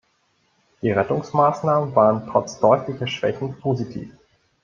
Die Rettungsmaßnahmen waren trotz deutlicher Schwächen positiv.